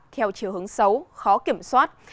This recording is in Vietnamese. theo chiều hướng xấu khó kiểm soát